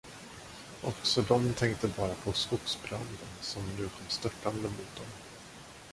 Också de tänkte bara på skogsbranden, som nu kom störtande mot dem.